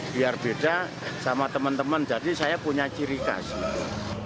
biar beda sama temen temen jadi saya punya ciri kasih